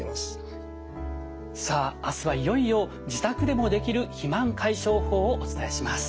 さあ明日はいよいよ自宅でもできる肥満解消法をお伝えします。